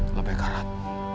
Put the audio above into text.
mbak bekaa rat